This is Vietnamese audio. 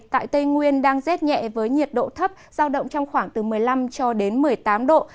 tại tây nguyên đang rét nhẹ với nhiệt độ thấp giao động trong khoảng từ một mươi năm cho đến một mươi tám độ